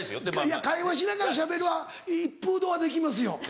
いや会話しながらしゃべるはいっぷう堂はできますよ